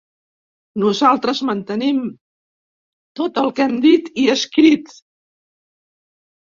Nosaltres mantenim tot el que hem dit i escrit.